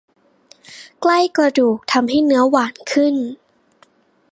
ใกล้กระดูกทำให้เนื้อหวานขึ้น